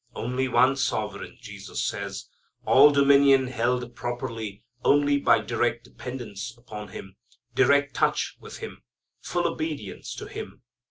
Only one Sovereign, Jesus says. All dominion held properly only by direct dependence upon Him, direct touch with Him, full obedience to Him.